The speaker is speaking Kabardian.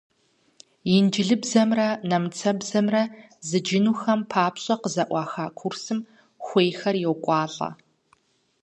Инджылызыбзэмрэ нэмыцэбзэмрэ зыджынухэм папщӀэ къызэӀуаха курсым хуейхэр йокӀуалӀэ.